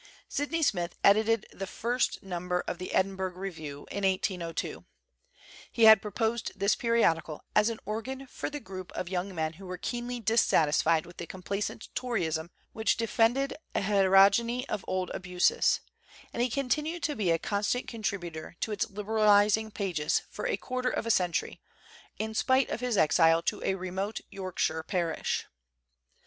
Sydney Smith edited the first number of the 81 THE CENTENARY OF A QUESTION Edinburgh Review in 1802; he had proposed this periodical as an organ for the group of young men who were keenly dissatisfied with the complacent Toryism which defended a heter ogeny of old abuses; and he continued to be a constant contributor to its liberalizing pages for a quarter of a century, in spite of his exile to a remote Yorkshire parish.